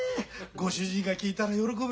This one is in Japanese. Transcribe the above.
ご主人が聞いたら喜ぶよ。